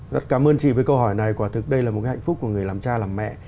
rất cảm ơn chị với câu hỏi này quả thực đây là một cái hạnh phúc của người làm cha làm mẹ